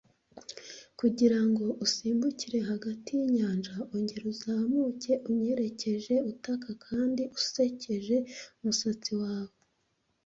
Kugira ngo usimbukire hagati y'inyanja, ongera uzamuke, unyerekeje, utaka, kandi usekeje umusatsi wawe.